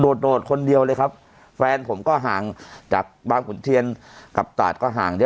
โดดคนเดียวเลยครับแฟนผมก็ห่างจากบางขุนเทียนกับตาดก็ห่างเดียว